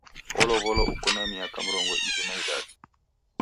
Olow'olwa uko na miaka mrongo iw'i na idadu.